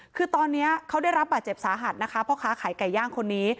คือตอนนี้เขาได้รับบาดเจ็บสาหัสนะคะพ่อค้าขายไก่ย่างคนนี้